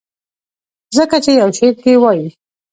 ځکه چې يو شعر کښې وائي :